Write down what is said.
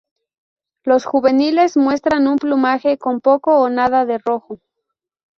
Los juveniles muestran un plumaje con poco o nada de rojo.